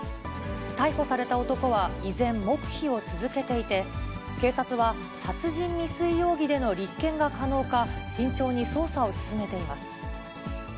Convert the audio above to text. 逮捕された男は依然、黙秘を続けていて、警察は、殺人未遂容疑での立件が可能か、慎重に捜査を進めています。